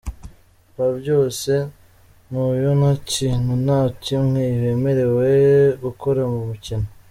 Pa byose : ni iyo ntakintu na kimwe wemerewe gukora mu mukino.